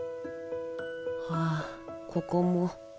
ああここも。